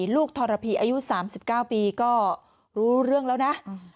ลูกทรพีอายุ๓๙ปีก็รู้เรื่องแล้วนะ